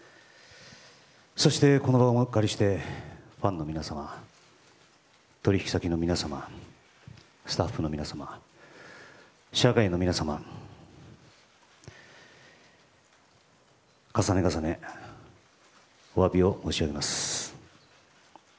そしてこの場をお借りしてファンの皆様取引先の皆様スタッフの皆様社会の皆様重ね重ねお詫びを申し上げます。